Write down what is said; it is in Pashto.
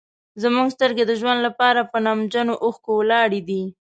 زموږ سترګې د ژوند لپاره په نمجنو اوښکو ولاړې دي.